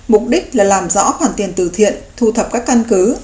mục đích là làm rõ khoản tiền tử thiện thu thập các căn cứ